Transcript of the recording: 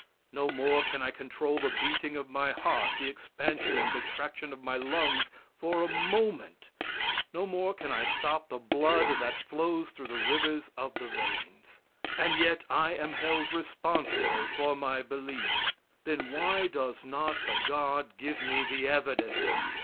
No more can I control the beating of my heart, the expansion and contraction of my lungs for a moment; no more can I stop the blood that flows through the rivers of the veins. And yet I am held responsible for my belief. Then why does not the God give me the evidence?